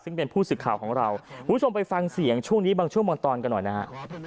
ซึ่งเป็นผู้สื่อข่าวของเราคุณผู้ชมไปฟังเสียงช่วงนี้บางช่วงบางตอนกันหน่อยนะฮะ